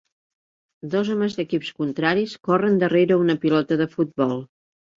Dos homes d'equips contraris corren darrere una pilota de futbol.